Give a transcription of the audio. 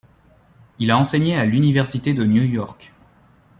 Il a enseigné à l'Université de New York.